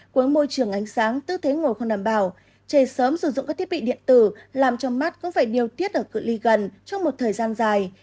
cuối môi trường ánh sáng tư thế ngồi không đảm bảo trẻ sớm sử dụng các thiết bị điện tử làm cho mắt cũng phải điều tiết ở cự li gần trong một thời gian dài